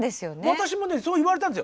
私もねそう言われたんですよ。